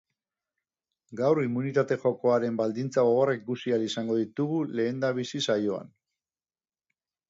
Gaur immunitate jokoaren baldintza gogorrak ikusi ahal izango ditugu lehendabizi saioan.